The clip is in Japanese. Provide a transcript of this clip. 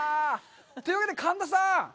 というわけで、神田さん！